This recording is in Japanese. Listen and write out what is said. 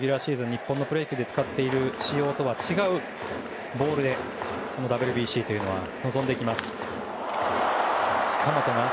日本のプロ野球で使っている仕様とは違うボールでＷＢＣに臨んでいきます。